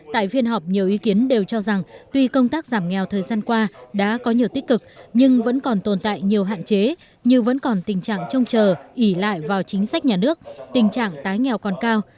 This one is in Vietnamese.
tại phiên họp nhiều ý kiến đều cho rằng tuy công tác giảm nghèo thời gian qua đã có nhiều tích cực nhưng vẫn còn tồn tại nhiều hạn chế như vẫn còn tình trạng trông chờ ỉ lại vào chính sách nhà nước tình trạng tái nghèo còn cao